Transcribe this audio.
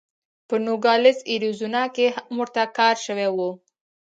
په نوګالس اریزونا کې هم ورته کار شوی و.